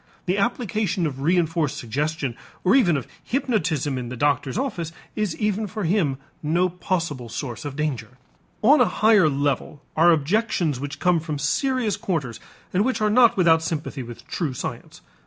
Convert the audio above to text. The application of reënforced suggestion or even of hypnotism in the doctor's office is even for him no possible source of danger. On a higher level are objections which come from serious quarters and which are not without sympathy with true science.